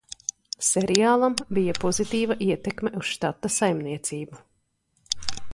Seriālam bija pozitīva ietekme uz štata saimniecību.